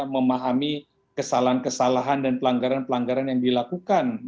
memahami kesalahan kesalahan dan pelanggaran pelanggaran yang dilakukan